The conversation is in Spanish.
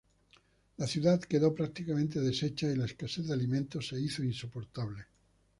La ciudad quedó prácticamente deshecha y la escasez de alimentos se hizo insoportable.